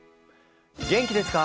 「元気ですか？